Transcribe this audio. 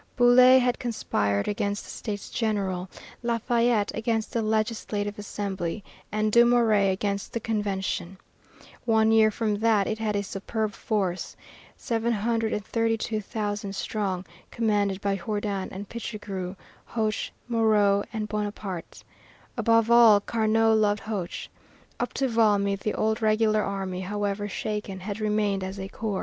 Bouillé had conspired against the States General, Lafayette against the Legislative Assembly, and Dumouriez against the Convention. One year from that time it had a superb force, 732,000 strong, commanded by Jourdan and Pichegru, Hoche, Moreau, and Bonaparte. Above all Carnot loved Hoche. Up to Valmy the old regular army, however shaken, had remained as a core.